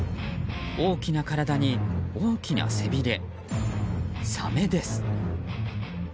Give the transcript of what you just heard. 大きな体に、大きな背びれサメです。